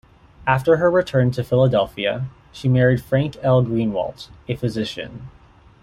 After her return to Philadelphia she married Frank L. Greenewalt, a physician.